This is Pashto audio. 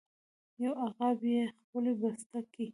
یو عقاب یې خپلې بسته کې